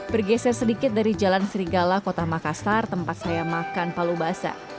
bergeser sedikit dari jalan serigala kota makassar tempat saya makan palu basah